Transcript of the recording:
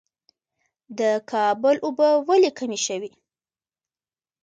د کابل اوبه ولې کمې شوې؟